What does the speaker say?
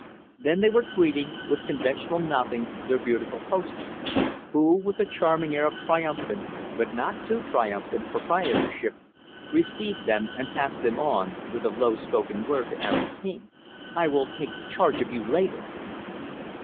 Then they were greeting, with conventional nothings their beautiful hostess; who, with a charming air of triumphant but not too triumphant proprietorship received them and passed them on, with a low spoken word to Aaron King; "I will take charge of you later."